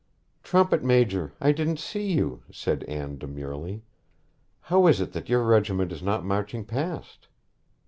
'Trumpet major, I didn't see you,' said Anne demurely. 'How is it that your regiment is not marching past?'